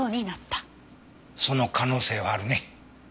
その可能性はあるね。